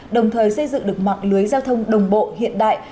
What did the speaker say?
đồng thời xây dựng được mạng lưới giao thông đồng bộ hiện đại